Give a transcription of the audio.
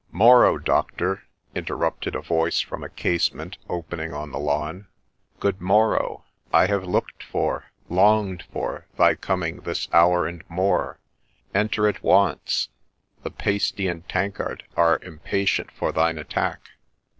' Morrow, doctor !' interrupted a voice from a casement open ing on the lawn. ' Good morrow ! I have looked for, longed for, thy coming this hour and more ; enter at once ; the pasty and tankard are impatient for thine attack